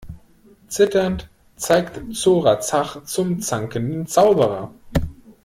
Zitternd zeigt Zora Zach zum zankenden Zauberer.